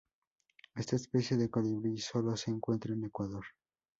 Esta especie de colibrí solo se encuentra en Ecuador.